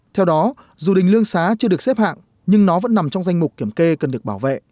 theo đó dù đình lương xá chưa được xếp hạng nhưng nó vẫn nằm trong danh mục kiểm kê cần được bảo vệ